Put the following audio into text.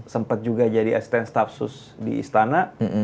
sempat juga jadi stn staf sus di istana